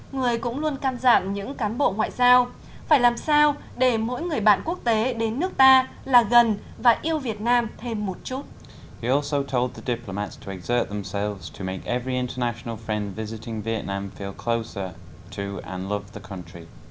người cũng luôn can dạng những cán bộ ngoại giao phải làm sao để mỗi người bạn quốc tế đến nước ta là gần và yêu việt nam thêm một chút